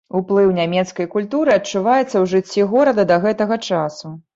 Уплыў нямецкай культуры адчуваецца ў жыцці горада да гэтага часу.